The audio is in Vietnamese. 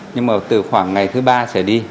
nhưng mà từ khoảng ngày thứ ba trở đi